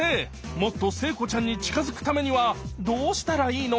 もっと聖子ちゃんに近づくためにはどうしたらいいの？